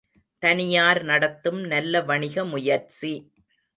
தனியார் நடத்தும் நல்ல வணிக முயற்சி.